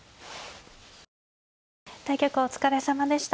対局お疲れさまでした。